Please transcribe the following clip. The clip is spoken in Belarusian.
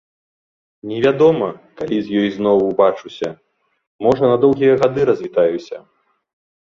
Невядома, калі з ёй зноў убачуся, можа, на доўгія гады развітаюся.